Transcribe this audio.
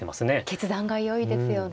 決断がよいですよね。